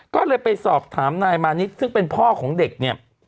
ก็เลยไปสอบถามนายมานิดซึ่งเป็นพ่อของเด็กเนี่ย